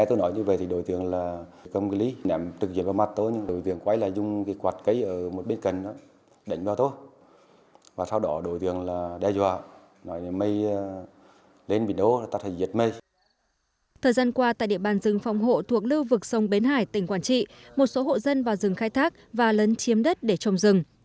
thời gian qua tại địa bàn rừng phòng hộ thuộc lưu vực sông bến hải tỉnh quản trị một số hộ dân vào rừng khai thác và lấn chiếm đất để trồng rừng